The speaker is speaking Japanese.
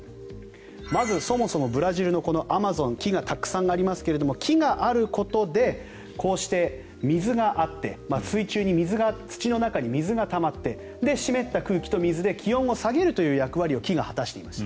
まず、そもそもブラジルのアマゾン木がたくさんありますが木があることでこうして水があって土の中に水がたまって湿った空気と水で気温を下げるという役割を木が果たしていました。